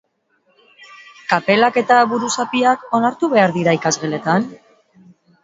Kapelak eta buruzapiak onartu behar dira ikasgeletan?